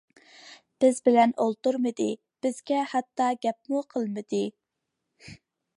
بىز بىلەن ئولتۇرمىدى، بىزگە ھەتتا گەپمۇ قىلمىدى.